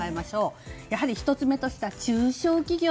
やはり１つ目としては中小企業。